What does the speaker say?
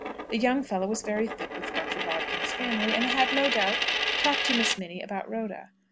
The young fellow was very thick with Dr. Bodkin's family, and had, no doubt, talked to Miss Minnie about Rhoda.